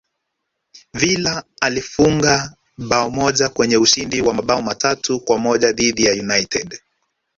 villa alifunga bao moja kwenye ushindi wa mabao matatu kwa moja dhidi ya united